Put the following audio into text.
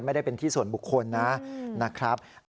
ไม่ได้เป็นที่ส่วนบุคคลนะครับ